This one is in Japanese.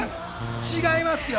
違いますよ。